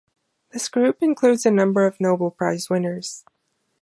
This group includes a number of Nobel Prize winners.